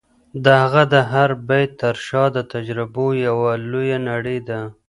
د هغه د هر بیت تر شا د تجربو یوه لویه نړۍ ده.